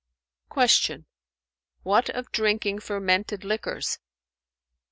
Q "What of drinking fermented liquors?"